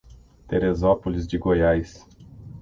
Terezópolis de Goiás